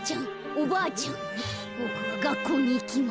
おばあちゃんボクはがっこうにいきます。